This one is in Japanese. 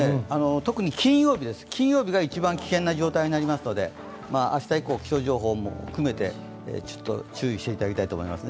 特に金曜日が一番危険な状態になりますので明日以降、気象情報も含めて注意していただきたいと思います。